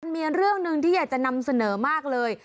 มีเรื่องหนึ่งที่อยากจะนำเสนอมากเลย